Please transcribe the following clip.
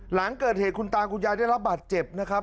หลังเกิดเหตุคุณตาคุณยายได้รับบาดเจ็บนะครับ